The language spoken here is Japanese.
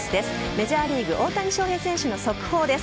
メジャーリーグ大谷翔平選手の速報です。